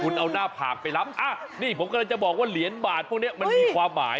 คุณเอาหน้าผากไปรับอ่ะนี่ผมกำลังจะบอกว่าเหรียญบาทพวกนี้มันมีความหมาย